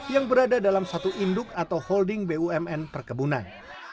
yang berada dalam satu induk atau holding bumn perkebunan